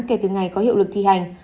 kể từ ngày có hiệu lực thi hành